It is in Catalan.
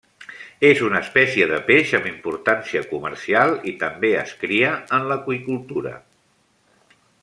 És una espècie de peix amb importància comercial i també es cria en l'aqüicultura.